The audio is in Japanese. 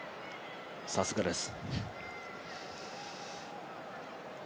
さすがです。